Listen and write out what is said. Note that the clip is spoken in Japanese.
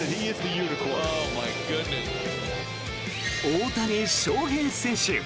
大谷翔平選手。